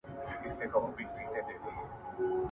آنلاین زده کړه څنګه ترسره کیږي؟